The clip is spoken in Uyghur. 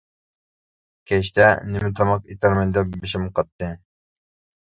كەچتە نېمە تاماق ئېتەرمەن دەپ بېشىم قاتتى.